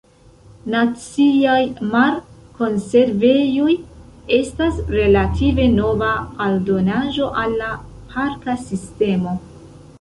Naciaj Mar-Konservejoj estas relative nova aldonaĵo al la parka sistemo.